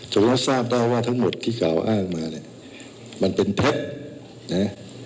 ฉะนั้นชาบได้ว่าทั้งหมดที่กำอ้างมาเนี่ยมันเป็นเท็จนะ